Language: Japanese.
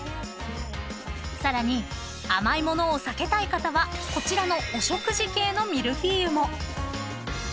［さらに甘いものを避けたい方はこちらのお食事系のミルフィーユも］